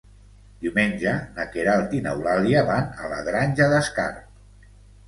Diumenge na Queralt i n'Eulàlia van a la Granja d'Escarp.